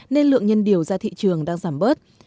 nên lượng nhân điều ra thị trường đang giảm bớt